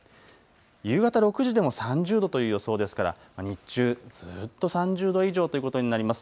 夕方６時でも３０度という予想ですから日中ずっと３０度以上ということになります。